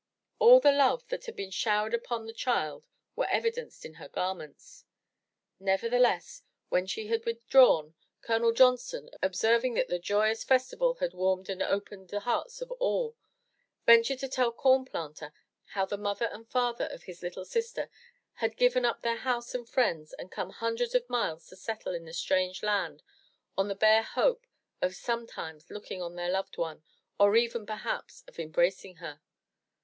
All the love that had been showered upon the child was evi denced in her garments. Nevertheless, when she had withdrawn, Colonel Johnson, observing that the joyous festival had warmed and opened the hearts of all, ventured to tell Corn Planter how the mother and father of his little sister had given up their home and friends and come hundreds of miles to settle in a strange land on the bare hope of sometimes looking on their loved one or even perhaps of embracing her.